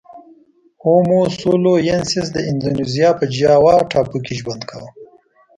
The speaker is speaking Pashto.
هومو سولوینسیس د اندونزیا په جاوا ټاپو کې ژوند کاوه.